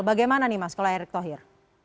bagaimana nih mas kalau erick thohir